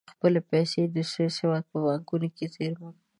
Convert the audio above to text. ډېری یې خپلې پیسې د سویس هېواد په بانکونو کې زېرمه کوي.